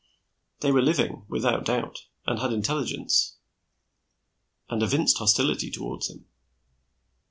They were living, without doubt, and had intelligence, and evinced hostility toward him.